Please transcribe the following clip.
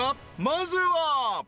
［まずは］